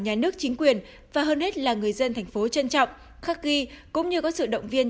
nhà nước chính quyền và hơn hết là người dân thành phố trân trọng khắc ghi cũng như có sự động viên